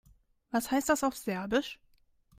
Was heißt das auf Serbisch?